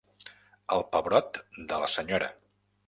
El pebrot de la senyora.